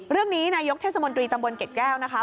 เรื่องนี้นายกเทศบัญชาตำบลเก๋จแก้วนะคะ